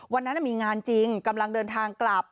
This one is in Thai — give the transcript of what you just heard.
วันนั้นมีงานจริงกำลังเดินทางกลับ